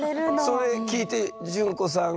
それ聞いて淳子さんは？